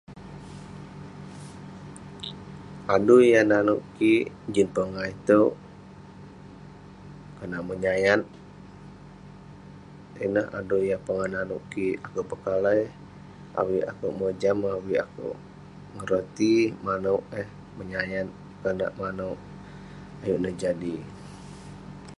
Adui yah nanouk kik jin pongah itouk, konak menyayat. Ineh adui yah pongah nanouk kik. Akouk pekalai, avik akouk mojam avik akouk ngeroti manouk eh. Menyanyat, konak manouk ayuk neh jadi.